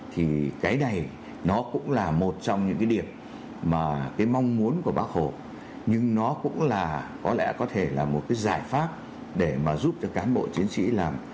thì cái này nó cũng là một trong những cái điểm mà cái mong muốn của bác hồ nhưng nó cũng là có lẽ có thể là một cái giải pháp để mà giúp cho cán bộ chiến sĩ làm